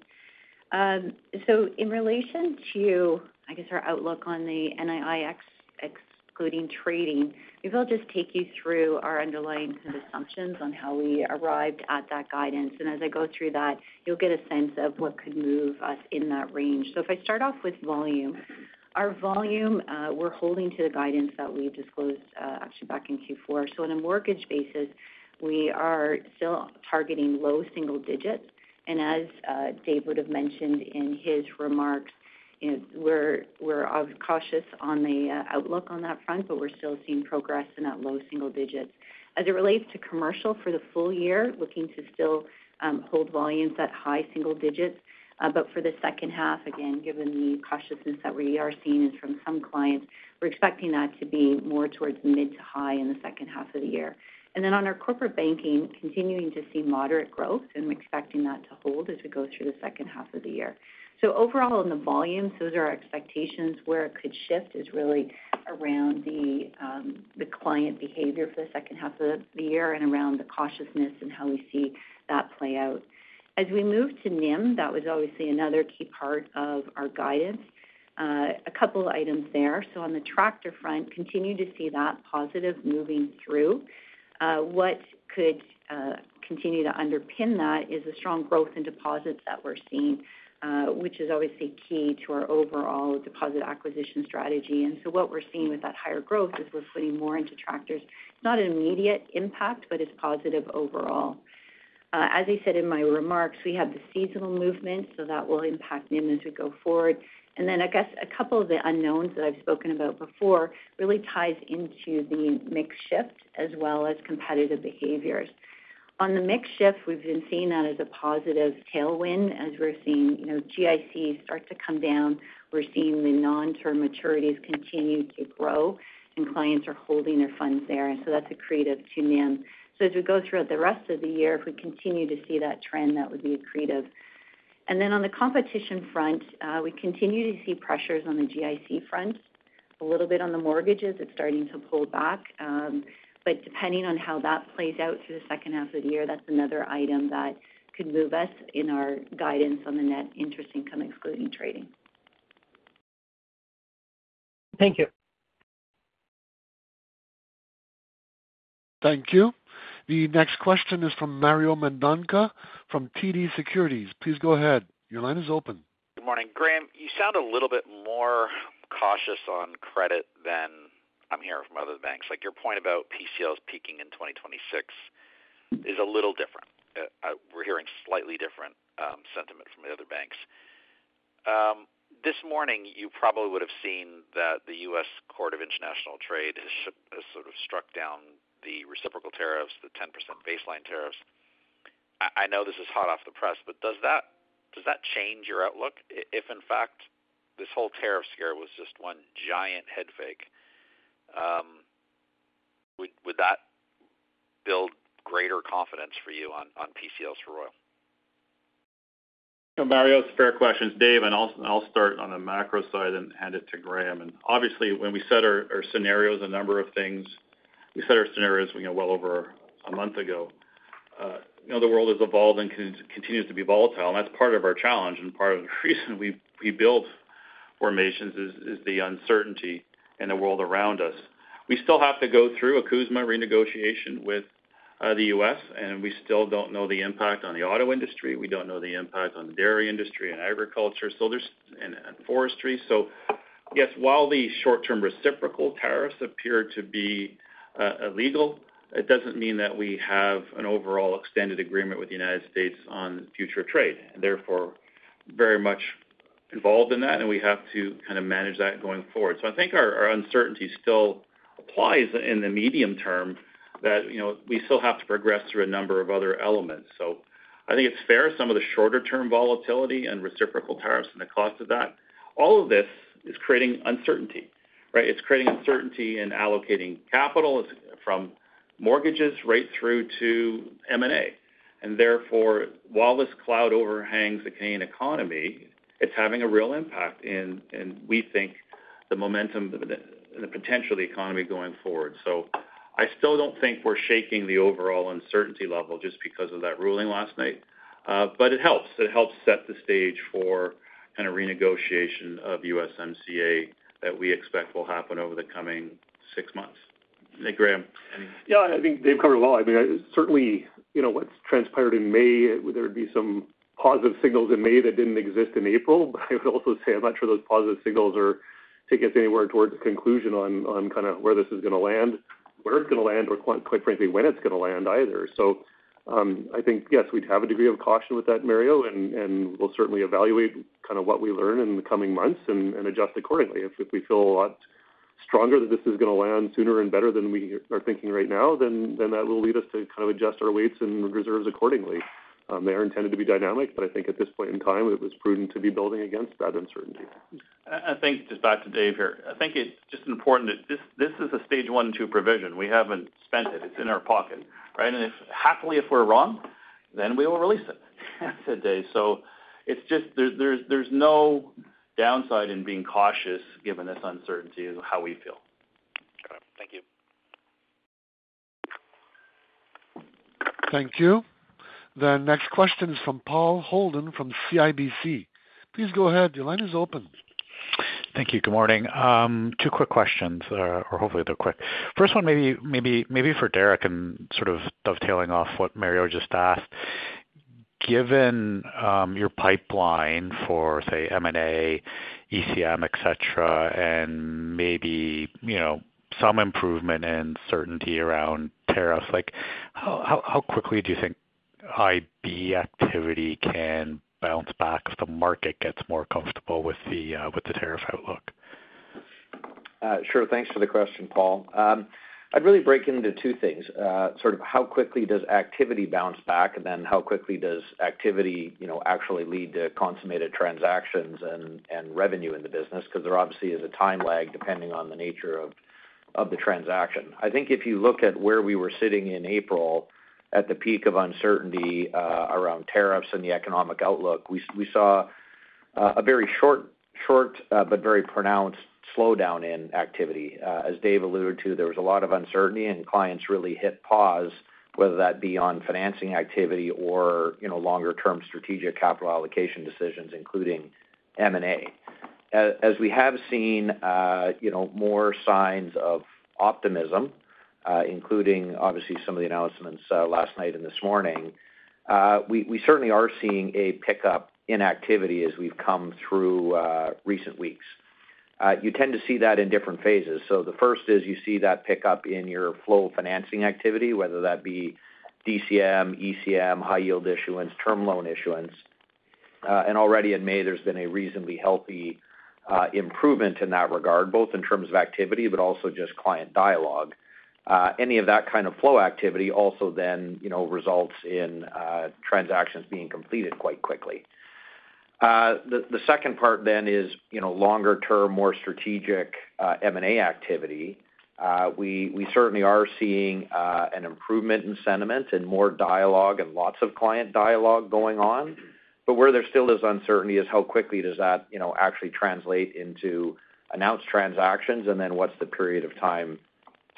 In relation to, I guess, our outlook on the NII excluding trading, we have all just taken you through our underlying assumptions on how we arrived at that guidance. As I go through that, you will get a sense of what could move us in that range. If I start off with volume, our volume, we are holding to the guidance that we disclosed actually back in Q4. On a mortgage basis, we are still targeting low single digits. As Dave would have mentioned in his remarks, we're cautious on the outlook on that front, but we're still seeing progress in that low single digits. As it relates to commercial for the full year, looking to still hold volumes at high single digits. For the second half, again, given the cautiousness that we are seeing from some clients, we're expecting that to be more towards mid to high in the second half of the year. On our corporate banking, continuing to see moderate growth and expecting that to hold as we go through the second half of the year. Overall, in the volumes, those are our expectations. Where it could shift is really around the client behavior for the second half of the year and around the cautiousness and how we see that play out. As we move to NIM, that was obviously another key part of our guidance. A couple of items there. On the tractor front, continue to see that positive moving through. What could continue to underpin that is the strong growth in deposits that we are seeing, which is obviously key to our overall deposit acquisition strategy. What we are seeing with that higher growth is we are putting more into tractors, not an immediate impact, but it is positive overall. As I said in my remarks, we have the seasonal movement, so that will impact NIM as we go forward. I guess a couple of the unknowns that I have spoken about before really ties into the mixed shift as well as competitive behaviors. On the mixed shift, we have been seeing that as a positive tailwind as we are seeing GICs start to come down. We're seeing the non-term maturities continue to grow, and clients are holding their funds there. That is accretive to NIM. As we go throughout the rest of the year, if we continue to see that trend, that would be accretive. On the competition front, we continue to see pressures on the GIC front. A little bit on the mortgages, it is starting to pull back. Depending on how that plays out through the second half of the year, that is another item that could move us in our guidance on the net interest income excluding trading. Thank you. Thank you. The next question is from Mario Mendonca from TD Securities. Please go ahead. Your line is open. Good morning. Graeme, you sound a little bit more cautious on credit than I am hearing from other banks. Like your point about PCLs peaking in 2026 is a little different. We're hearing slightly different sentiment from the other banks. This morning, you probably would have seen that the U.S. Court of International Trade has sort of struck down the reciprocal tariffs, the 10% baseline tariffs. I know this is hot off the press, but does that change your outlook? If in fact this whole tariff scare was just one giant head fake, would that build greater confidence for you on PCLs for oil? Mario, it's a fair question. Dave, and I'll start on the macro side and hand it to Graeme. Obviously, when we set our scenarios, a number of things, we set our scenarios well over a month ago. The world is evolving and continues to be volatile. That's part of our challenge and part of the reason we build formations is the uncertainty in the world around us. We still have to go through a CUSMA renegotiation with the U.S., and we still don't know the impact on the auto industry. We don't know the impact on the dairy industry and agriculture and forestry. Yes, while the short-term reciprocal tariffs appear to be illegal, it doesn't mean that we have an overall extended agreement with the United States on future trade. Therefore, very much involved in that, and we have to kind of manage that going forward. I think our uncertainty still applies in the medium term that we still have to progress through a number of other elements. I think it's fair, some of the shorter-term volatility and reciprocal tariffs and the cost of that, all of this is creating uncertainty, right? It's creating uncertainty in allocating capital from mortgages right through to M&A. Therefore, while this cloud overhangs the Canadian economy, it's having a real impact in, we think, the momentum and the potential of the economy going forward. I still don't think we're shaking the overall uncertainty level just because of that ruling last night. It helps. It helps set the stage for kind of renegotiation of USMCA that we expect will happen over the coming six months. Thank you, Graeme. I think they've covered a lot. Certainly what transpired in May, there would be some positive signals in May that didn't exist in April. I would also say I'm not sure those positive signals are taking us anywhere towards the conclusion on kind of where this is going to land, where it's going to land, or quite frankly, when it's going to land either. I think, yes, we'd have a degree of caution with that, Mario, and we'll certainly evaluate kind of what we learn in the coming months and adjust accordingly. If we feel a lot stronger that this is going to land sooner and better than we are thinking right now, then that will lead us to kind of adjust our weights and reserves accordingly. They are intended to be dynamic, but I think at this point in time, it was prudent to be building against that uncertainty. I think just back to Dave here. I think it's just important that this is a stage one and two provision. We haven't spent it. It's in our pocket, right? And happily, if we're wrong, then we will release it. There's no downside in being cautious given this uncertainty and how we feel. Thank you. Thank you. The next question is from Paul Holden from CIBC. Please go ahead. Your line is open. Thank you. Good morning. Two quick questions, or hopefully they're quick. First one, maybe for Derek and sort of dovetailing off what Mario just asked. Given your pipeline for, say, M&A, ECM, etc., and maybe some improvement in certainty around tariffs, how quickly do you think IB activity can bounce back if the market gets more comfortable with the tariff outlook? Sure. Thanks for the question, Paul. I'd really break into two things. Sort of how quickly does activity bounce back, and then how quickly does activity actually lead to consummated transactions and revenue in the business? Because there obviously is a time lag depending on the nature of the transaction. I think if you look at where we were sitting in April at the peak of uncertainty around tariffs and the economic outlook, we saw a very short but very pronounced slowdown in activity. As Dave alluded to, there was a lot of uncertainty, and clients really hit pause, whether that be on financing activity or longer-term strategic capital allocation decisions, including M&A. As we have seen more signs of optimism, including obviously some of the announcements last night and this morning, we certainly are seeing a pickup in activity as we've come through recent weeks. You tend to see that in different phases. The first is you see that pickup in your flow financing activity, whether that be DCM, ECM, high-yield issuance, term loan issuance. Already in May, there has been a reasonably healthy improvement in that regard, both in terms of activity, but also just client dialogue. Any of that kind of flow activity also then results in transactions being completed quite quickly. The second part then is longer-term, more strategic M&A activity. We certainly are seeing an improvement in sentiment and more dialogue and lots of client dialogue going on. Where there still is uncertainty is how quickly does that actually translate into announced transactions, and then what is the period of time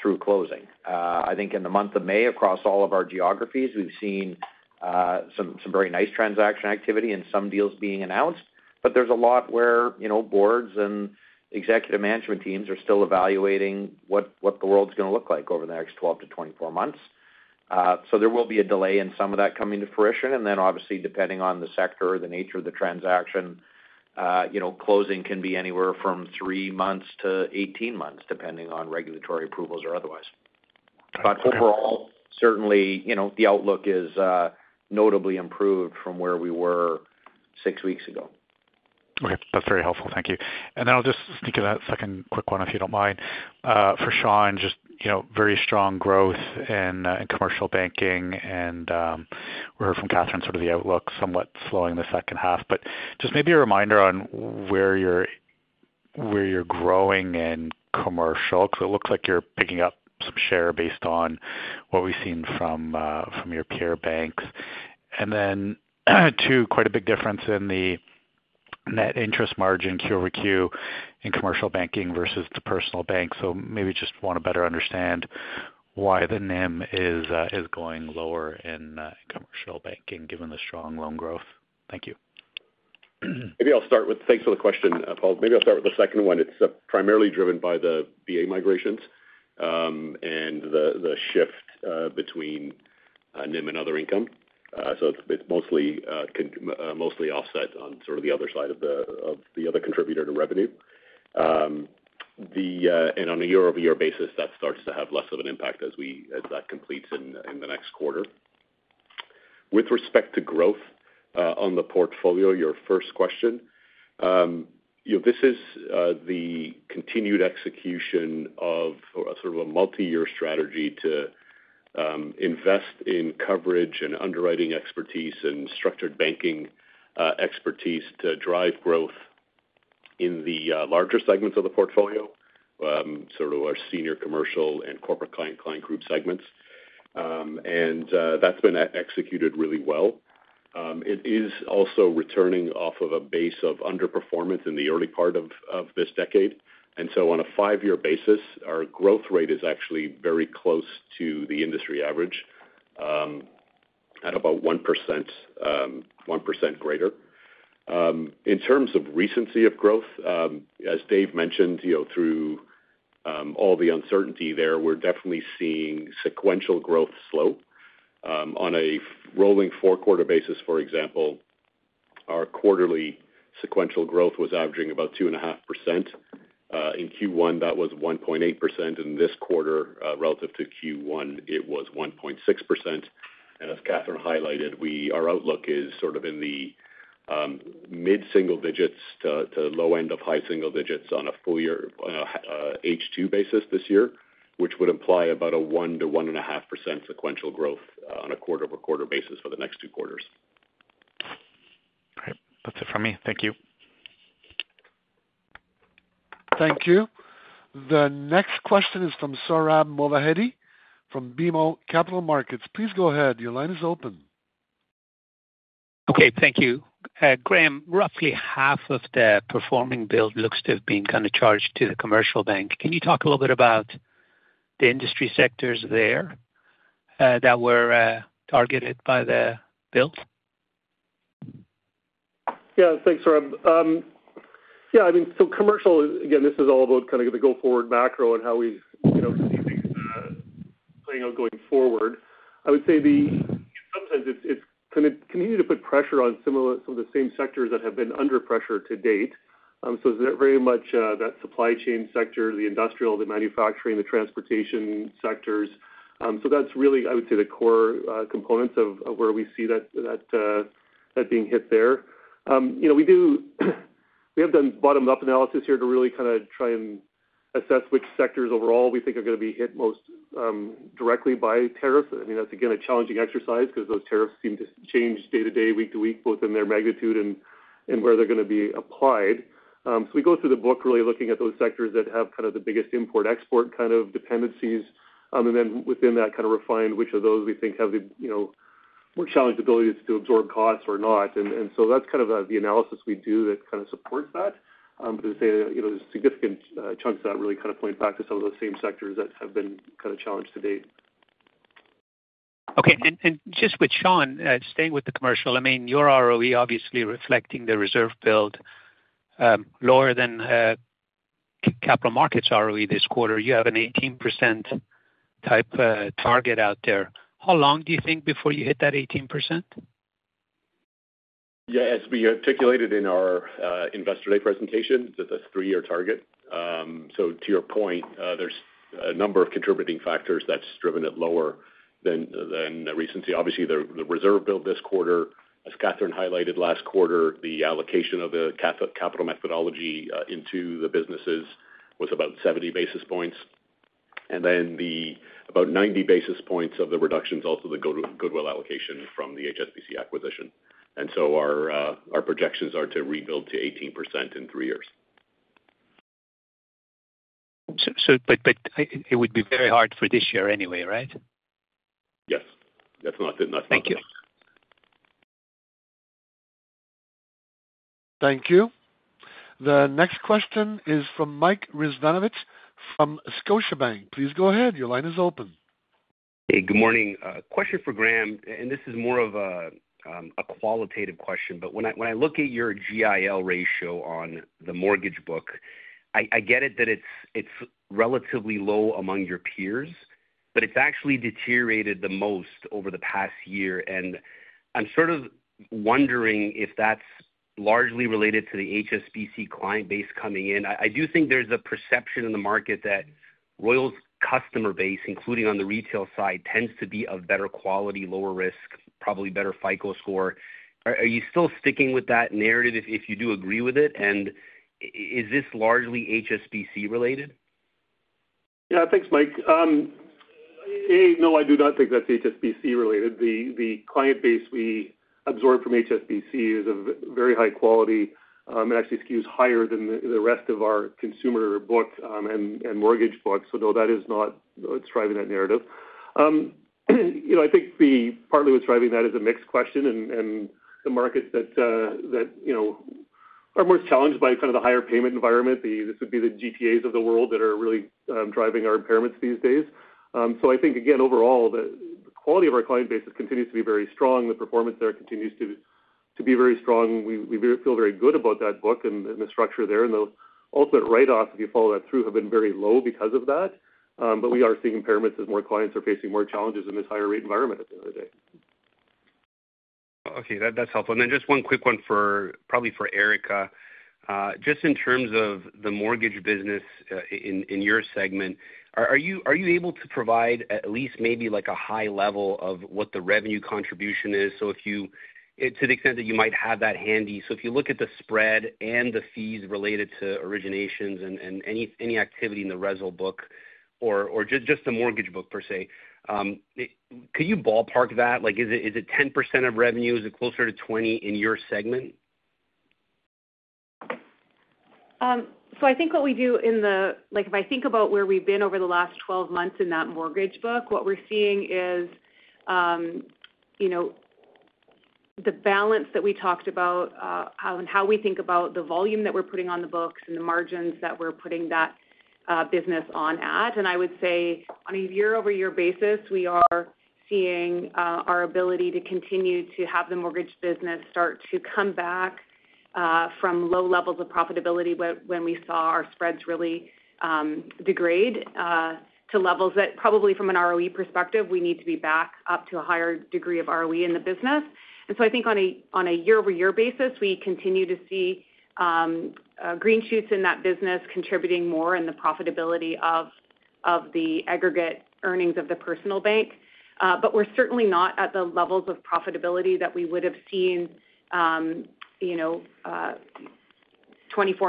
through closing? I think in the month of May, across all of our geographies, we have seen some very nice transaction activity and some deals being announced. There is a lot where boards and executive management teams are still evaluating what the world is going to look like over the next 12-24 months. There will be a delay in some of that coming to fruition. Obviously, depending on the sector, the nature of the transaction, closing can be anywhere from three months to 18 months, depending on regulatory approvals or otherwise. Overall, certainly the outlook is notably improved from where we were six weeks ago. That is very helpful. Thank you. I will just sneak in that second quick one, if you do not mind. For Sean, just very strong growth in commercial banking. We heard from Kathryn sort of the outlook, somewhat slowing the second half. Just maybe a reminder on where you are growing in commercial, because it looks like you are picking up some share based on what we have seen from your peer banks. Two, quite a big difference in the net interest margin, QoQ, in commercial banking versus the personal bank. Maybe I just want to better understand why the NIM is going lower in commercial banking given the strong loan growth. Thank you. Maybe I'll start with, thanks for the question, Paul. Maybe I'll start with the second one. It is primarily driven by the VA migrations and the shift between NIM and other income. It is mostly offset on the other side of the other contributor to revenue. On a year-over-year basis, that starts to have less of an impact as that completes in the next quarter. With respect to growth on the portfolio, your first question, this is the continued execution of a multi-year strategy to invest in coverage and underwriting expertise and structured banking expertise to drive growth in the larger segments of the portfolio, our senior commercial and corporate client group segments. That has been executed really well. It is also returning off of a base of underperformance in the early part of this decade. On a five-year basis, our growth rate is actually very close to the industry average at about 1% greater. In terms of recency of growth, as Dave mentioned, through all the uncertainty there, we are definitely seeing sequential growth slow. On a rolling four-quarter basis, for example, our quarterly sequential growth was averaging about 2.5%. In Q1, that was 1.8%. In this quarter, relative to Q1, it was 1.6%. As Katherine highlighted, our outlook is sort of in the mid-single digits to low end of high single digits on a full-year H2 basis this year, which would imply about a 1%-1.5% sequential growth on a quarter-over-quarter basis for the next two quarters. All right. That is it from me. Thank you. Thank you. The next question is from Sohrab Movahedi from BMO Capital Markets. Please go ahead. Your line is open. Okay. Thank you. Graeme, roughly half of the performing build looks to have been kind of charged to the commercial bank. Can you talk a little bit about the industry sectors there that were targeted by the build? Yeah. Thanks, Saohrab. Yeah. I mean, so commercial, again, this is all about kind of the go-forward macro and how we are playing out going forward. I would say in some sense, it is kind of continuing to put pressure on some of the same sectors that have been under pressure to date. Very much that supply chain sector, the industrial, the manufacturing, the transportation sectors. That is really, I would say, the core components of where we see that being hit there. We have done bottom-up analysis here to really kind of try and assess which sectors overall we think are going to be hit most directly by tariffs. I mean, that's, again, a challenging exercise because those tariffs seem to change day to day, week to week, both in their magnitude and where they're going to be applied. We go through the book really looking at those sectors that have kind of the biggest import-export kind of dependencies. Within that, kind of refine which of those we think have the most challenged abilities to absorb costs or not. That is kind of the analysis we do that kind of supports that. I'd say there's significant chunks of that really kind of point back to some of those same sectors that have been kind of challenged to date. Okay. Just with Sean, staying with the commercial, your ROE obviously reflecting the reserve build lower than Capital Markets' ROE this quarter. You have an 18% type target out there. How long do you think before you hit that 18%? Yeah. As we articulated in our investor day presentation, it is a three-year target. To your point, there is a number of contributing factors that has driven it lower than the recency. Obviously, the reserve build this quarter, as Katherine highlighted last quarter, the allocation of the capital methodology into the businesses was about 70 basis points. Then about 90 basis points of the reductions also the Goodwill allocation from the HSBC acquisition. Our projections are to rebuild to 18% in three years. It would be very hard for this year anyway, right? Yes. That is not the. Thank you. Thank you. The next question is from Mike Risvanovic from Scotiabank. Please go ahead. Your line is open. Hey, good morning. Question for Graeme. This is more of a qualitative question. When I look at your GIL ratio on the mortgage book, I get it that it's relatively low among your peers, but it's actually deteriorated the most over the past year. I'm sort of wondering if that's largely related to the HSBC client base coming in. I do think there's a perception in the market that Royal's customer base, including on the retail side, tends to be of better quality, lower risk, probably better FICO score. Are you still sticking with that narrative if you do agree with it? Is this largely HSBC related? Yeah. Thanks, Mike. No, I do not think that's HSBC related. The client base we absorb from HSBC is of very high quality and actually skews higher than the rest of our consumer book and mortgage book. No, that is not what's driving that narrative. I think partly what's driving that is a mixed question and the markets that are most challenged by kind of the higher payment environment. This would be the GTAs of the world that are really driving our impairments these days. I think, again, overall, the quality of our client base continues to be very strong. The performance there continues to be very strong. We feel very good about that book and the structure there. The ultimate write-off, if you follow that through, have been very low because of that. We are seeing impairments as more clients are facing more challenges in this higher rate environment at the end of the day. Okay. That's helpful. Just one quick one probably for Erica. Just in terms of the mortgage business in your segment, are you able to provide at least maybe a high level of what the revenue contribution is? To the extent that you might have that handy. If you look at the spread and the fees related to originations and any activity in the reso book or just the mortgage book per se, could you ballpark that? Is it 10% of revenue? Is it closer to 20% in your segment? I think what we do in the, if I think about where we've been over the last 12 months in that mortgage book, what we're seeing is the balance that we talked about and how we think about the volume that we're putting on the books and the margins that we're putting that business on at. On a year-over-year basis, we are seeing our ability to continue to have the mortgage business start to come back from low levels of profitability when we saw our spreads really degrade to levels that probably from an ROE perspective, we need to be back up to a higher degree of ROE in the business. I think on a year-over-year basis, we continue to see green shoots in that business contributing more in the profitability of the aggregate earnings of the personal bank. We are certainly not at the levels of profitability that we would have seen 24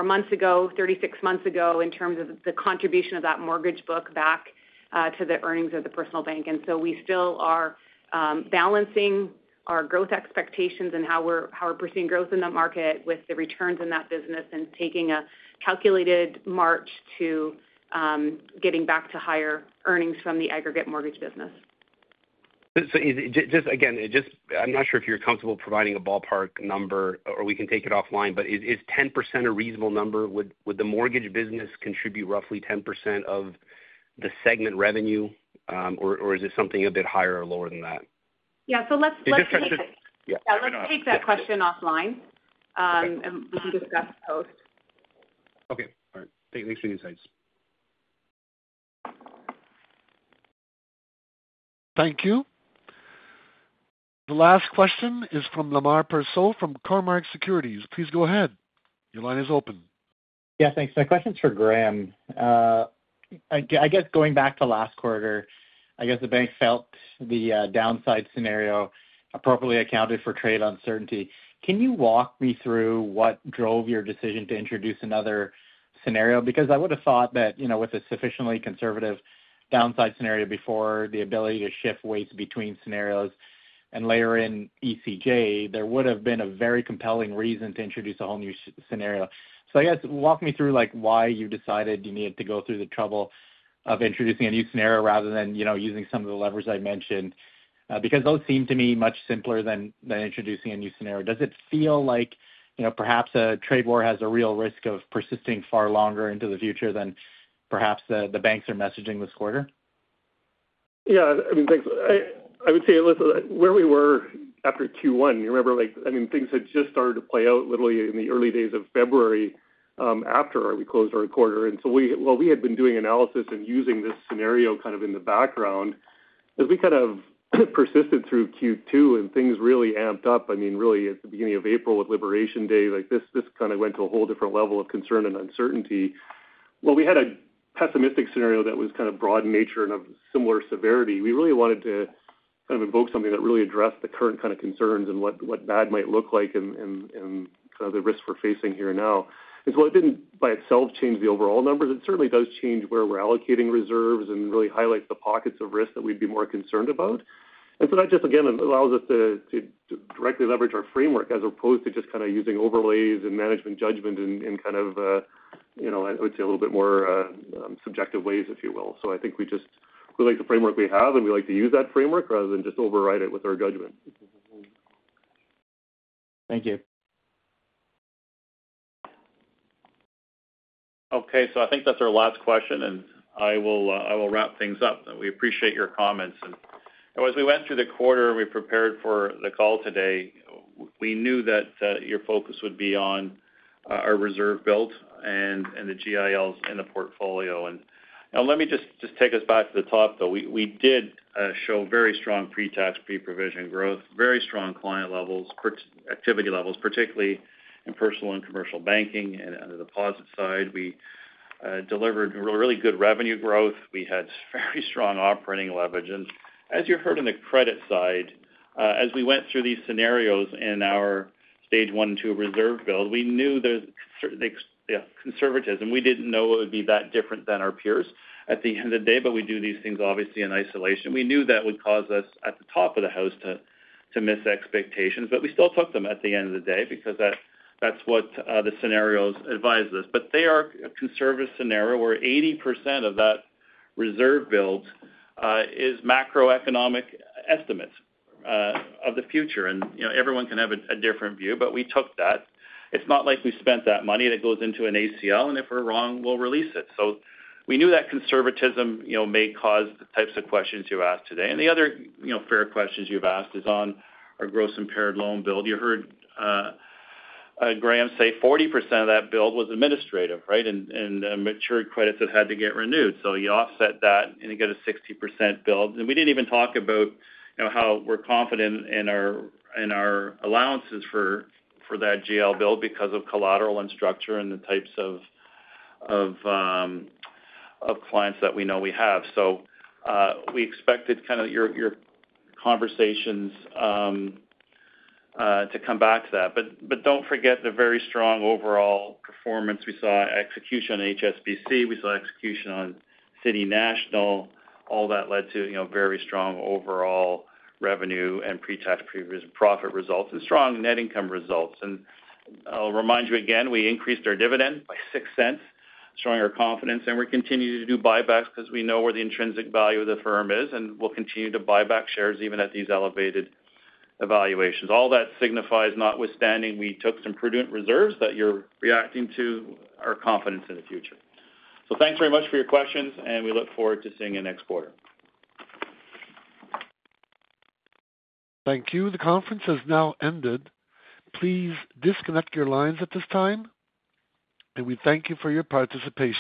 months ago, 36 months ago in terms of the contribution of that mortgage book back to the earnings of the personal bank. We still are balancing our growth expectations and how we are pursuing growth in that market with the returns in that business and taking a calculated march to getting back to higher earnings from the aggregate mortgage business. Just again, I am not sure if you are comfortable providing a ballpark number or we can take it offline, but is 10% a reasonable number? Would the mortgage business contribute roughly 10% of the segment revenue, or is it something a bit higher or lower than that? Yeah. Let us take that. Let us take that question offline, and we can discuss post. Okay. All right. Thanks for the insights. Thank you. The last question is from Lamar Purcell from Carl Marks Securities. Please go ahead. Your line is open. Yeah. Thanks. My question is for Graeme. I guess going back to last quarter, I guess the bank felt the downside scenario appropriately accounted for trade uncertainty. Can you walk me through what drove your decision to introduce another scenario? Because I would have thought that with a sufficiently conservative downside scenario before, the ability to shift weights between scenarios and layer in ECJ, there would have been a very compelling reason to introduce a whole new scenario. I guess walk me through why you decided you needed to go through the trouble of introducing a new scenario rather than using some of the levers I mentioned, because those seem to me much simpler than introducing a new scenario. Does it feel like perhaps a trade war has a real risk of persisting far longer into the future than perhaps the banks are messaging this quarter? Yeah. I mean, thanks. I would say where we were after Q1, you remember, I mean, things had just started to play out literally in the early days of February after we closed our quarter. And so while we had been doing analysis and using this scenario kind of in the background, as we kind of persisted through Q2 and things really amped up, I mean, really at the beginning of April with Liberation Day, this kind of went to a whole different level of concern and uncertainty. We had a pessimistic scenario that was kind of broad in nature and of similar severity. We really wanted to kind of invoke something that really addressed the current kind of concerns and what bad might look like and the risks we're facing here now. And so it did not by itself change the overall numbers. It certainly does change where we're allocating reserves and really highlights the pockets of risk that we'd be more concerned about. That just, again, allows us to directly leverage our framework as opposed to just kind of using overlays and management judgment in, I would say, a little bit more subjective ways, if you will. I think we just like the framework we have, and we like to use that framework rather than just override it with our judgment. Thank you. Okay. I think that's our last question, and I will wrap things up. We appreciate your comments. As we went through the quarter and we prepared for the call today, we knew that your focus would be on our reserve build and the GILs in the portfolio. Let me just take us back to the top, though. We did show very strong pre-tax, pre-provision growth, very strong client levels, activity levels, particularly in personal and commercial banking and on the deposit side. We delivered really good revenue growth. We had very strong operating leverage. As you heard in the credit side, as we went through these scenarios in our stage one and two reserve build, we knew there is conservatism. We did not know it would be that different than our peers at the end of the day, but we do these things obviously in isolation. We knew that would cause us at the top of the house to miss expectations, but we still took them at the end of the day because that is what the scenarios advised us. They are a conservative scenario where 80% of that reserve build is macroeconomic estimates of the future. Everyone can have a different view, but we took that. It's not like we spent that money that goes into an ACL, and if we're wrong, we'll release it. We knew that conservatism may cause the types of questions you asked today. The other fair questions you've asked is on our gross impaired loan build. You heard Graeme say 40% of that build was administrative, right, and matured credits that had to get renewed. You offset that and you get a 60% build. We didn't even talk about how we're confident in our allowances for that GIL build because of collateral and structure and the types of clients that we know we have. We expected kind of your conversations to come back to that. Don't forget the very strong overall performance we saw execution on HSBC. We saw execution on City National. All that led to very strong overall revenue and pre-tax, pre-provision profit results and strong net income results. I'll remind you again, we increased our dividend by 0.06, showing our confidence. We continue to do buybacks because we know where the intrinsic value of the firm is, and we'll continue to buy back shares even at these elevated evaluations. All that signifies, notwithstanding, we took some prudent reserves that you're reacting to our confidence in the future. Thanks very much for your questions, and we look forward to seeing you next quarter. Thank you. The conference has now ended. Please disconnect your lines at this time, and we thank you for your participation.